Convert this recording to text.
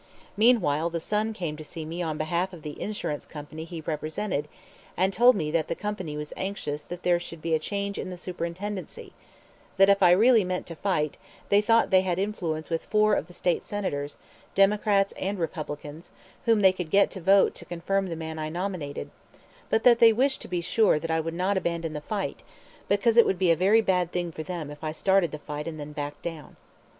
Meanwhile the son came to see me on behalf of the insurance company he represented and told me that the company was anxious that there should be a change in the superintendency; that if I really meant to fight, they thought they had influence with four of the State Senators, Democrats and Republicans, whom they could get to vote to confirm the man I nominated, but that they wished to be sure that I would not abandon the fight, because it would be a very bad thing for them if I started the fight and then backed down.